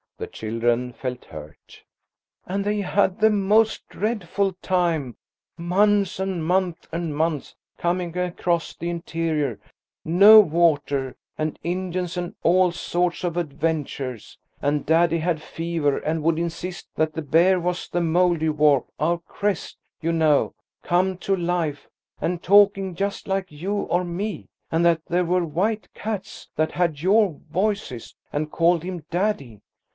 The children felt hurt. "And they had the most dreadful time–months and months and months–coming across the interior–no water, and Indians and all sorts of adventures; and daddy had fever, and would insist that the bear was the Mouldiwarp–our crest, you know–come to life, and talking just like you or me, and that there were white cats that had your voices, and called him daddy.